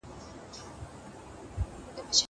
دا چپنه له هغه پاکه ده.